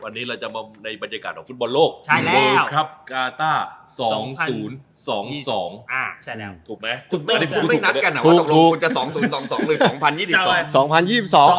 วันนี้เราจะมาในบรรยากาศของฟุตบอลโลกใช่แล้วโรครัฟกาต้าสองศูนย์สองสอง